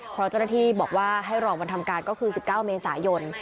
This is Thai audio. เพราะเจ้าหน้าที่บอกว่าให้รอวันทำการก็คือ๑๙เมษายน